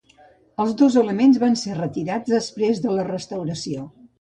Els dos elements van ser retirats després de la restauració.